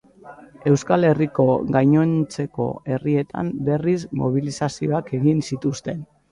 Euskal Herriko gainontzeko herrietan, berriz, mobilizazioak egin zituzten.